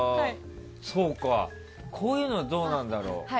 こういうのはどうなんだろう。